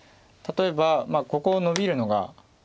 例えばここノビるのが。